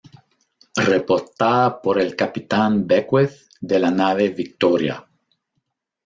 Reportada por el capitán Beckwith de la nave "Victoria".